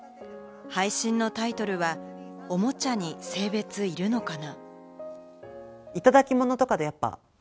配信のタイトルは「おもちゃに性別いるのかな」。